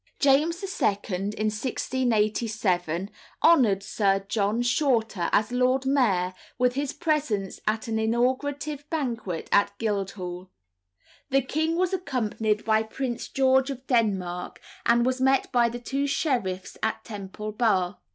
James II., in 1687, honoured Sir John Shorter as Lord Mayor with his presence at an inaugurative banquet at Guildhall. The king was accompanied by Prince George of Denmark, and was met by the two sheriffs at Temple Bar.